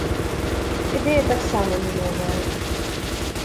Ідэя таксама не новая.